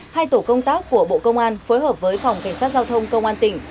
hai tổ công tác của bộ công an phối hợp với phòng cảnh sát giao thông công an tỉnh